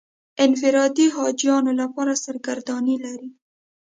انفرادي حاجیانو لپاره سرګردانۍ لري.